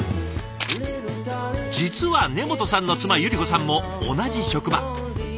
実は根本さんの妻百合子さんも同じ職場。